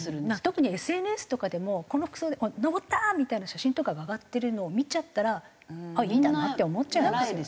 特にＳＮＳとかでもこの服装で登った！みたいな写真とかが上がってるのを見ちゃったらああいいんだなって思っちゃいますよね。